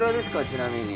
ちなみに。